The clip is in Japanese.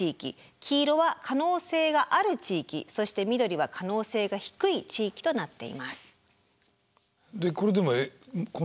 黄色は可能性がある地域そして緑は可能性が低い地域となっています。